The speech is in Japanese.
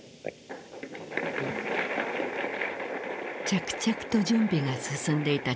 着々と準備が進んでいた